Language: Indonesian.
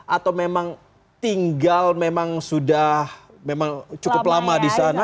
atau memang tinggal memang sudah cukup lama di sana